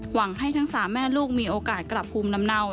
หวังให้ทั้ง๓แม่ลูกมีโอกาสกลับภูมิลำเนา